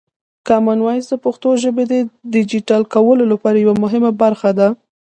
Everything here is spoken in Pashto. کامن وایس د پښتو ژبې د ډیجیټل کولو لپاره یوه مهمه برخه ده.